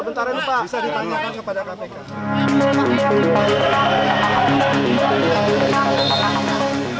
bisa ditanyakan kepada kpk